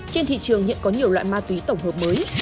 trên thị trường hiện có nhiều loại ma túy tổng hợp mới